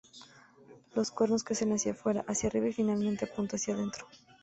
Los cuernos crecen hacia fuera, hacia arriba y finalmente apunta hacia adentro.